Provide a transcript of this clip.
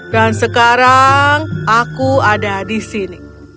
dan sekarang aku ada di sini